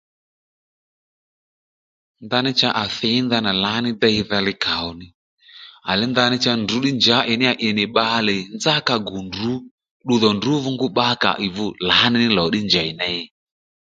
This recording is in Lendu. Ndaní cha à thǐy ndanà lǎní deydha li kàó à le ndaní ndrǔ ddí njǎ ì nì bbalè nzá ka gù ndrǔ ddudhò ndrǔ dho ngu bbakǎ ìdho lǎní lò ddí njèy ney